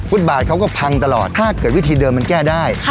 บาทเขาก็พังตลอดถ้าเกิดวิธีเดิมมันแก้ได้